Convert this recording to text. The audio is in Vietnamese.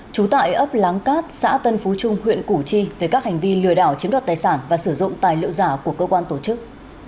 trú tại ấp láng cát xã tân phú trung huyện củ chi về các hành vi lừa đảo chiếm đoạt tài sản và sử dụng tài liệu giả của cơ quan tổ chức